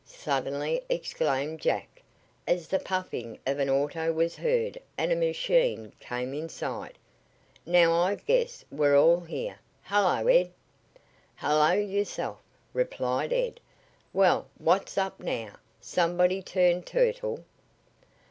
suddenly exclaimed Jack as the puffing of an auto was heard and a machine came in sight. "Now I guess we're all here. Hello, Ed!" "Hello, yourself," replied Ed. "Well, what's up now? Somebody turned turtle?"